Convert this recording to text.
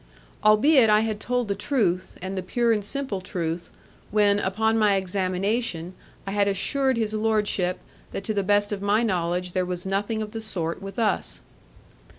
Albeit I had told the truth, and the pure and simple truth, when, upon my examination, I had assured his lordship, that to the best of my knowledge there was nothing of the sort with us.